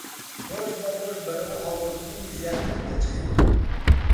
ڕۆژبەڕۆژ بەرەو ئاڵۆزبوونی زیاتر دەچێ